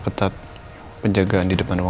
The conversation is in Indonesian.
kembil saling berkepungan